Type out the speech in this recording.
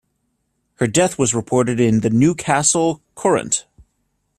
Her death was reported in the "Newcastle Courant".